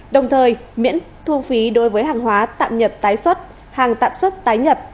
đồng thời miễn thu phí đối với hàng hóa tạm nhập tái xuất hàng tạm xuất tái nhập